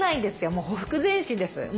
もうほふく前進です。